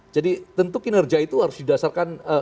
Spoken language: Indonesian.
jadi tentu kinerja itu harus didasarkan